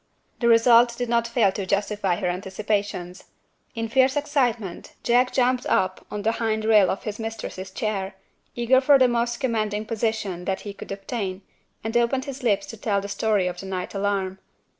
The result did not fail to justify her anticipations. In fierce excitement, Jack jumped up on the hind rail of his mistress's chair, eager for the most commanding position that he could obtain, and opened his lips to tell the story of the night alarm.